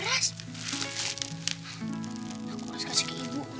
aku akan membantumu